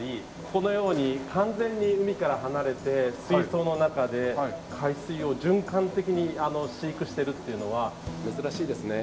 このように完全に海から離れて水槽の中で海水を循環的に飼育してるっていうのは珍しいですね。